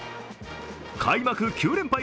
開幕９連敗